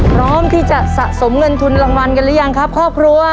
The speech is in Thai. พร้อมที่จะสะสมเงินทุนรางวัลกันหรือยังครับครอบครัว